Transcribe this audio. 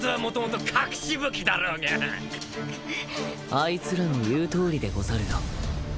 あいつらの言うとおりでござるよ。